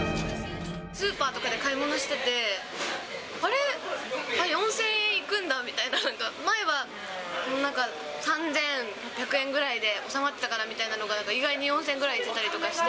スーパーとかで買い物してて、あれ、４０００円いくんだみたいな、なんか、前は３６００円ぐらいで収まってたみたいなのが、なんか意外に４０００円ぐらいいったりとかして。